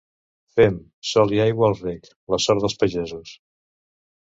Fem, sol i aigua al rec, la sort dels pagesos.